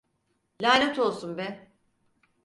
Lanet olsun be!